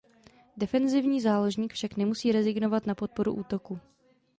Defenzivní záložník však nemusí rezignovat na podporu útoku.